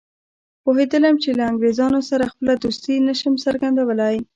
پوهېدلم چې له انګریزانو سره خپله دوستي نه شم څرګندولای.